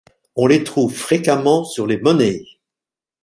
On les trouve fréquemment sur les monnaies.